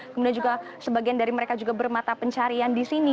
kemudian juga sebagian dari mereka juga bermata pencarian di sini